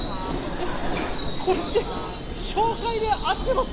えこれって「紹介」で合ってます？